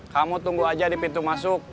kamu tunggu aja di pintu masuk